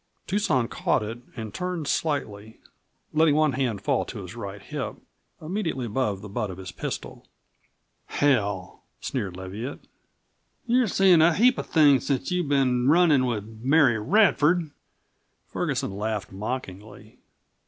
Tucson caught it and turned slightly, letting one hand fall to his right hip, immediately above the butt of his pistol. "Hell!" sneered Leviatt, "you're seein' a heap of things since you've been runnin' with Mary Radford!" Ferguson laughed mockingly.